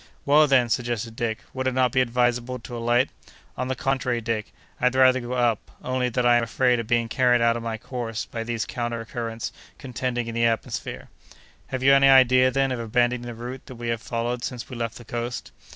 "Well, then," suggested Dick, "would it not be advisable to alight?" "On the contrary, Dick, I'd rather go up, only that I am afraid of being carried out of my course by these counter currents contending in the atmosphere." "Have you any idea, then, of abandoning the route that we have followed since we left the coast?"